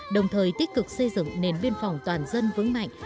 đồng thời tích cực xây dựng nền biên phòng toàn dân vững mạnh